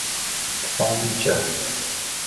方丈